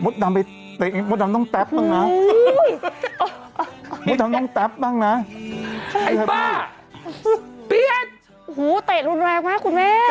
ทั้งต่อยทั้งมาก